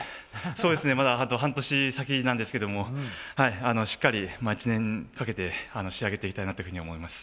そうですね、まだあと半年先なんですけれども、しっかり１年かけて仕上げていきたいなと思います。